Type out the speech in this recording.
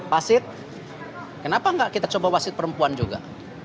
pasit kenapa nggak kita coba pasit perempuan juga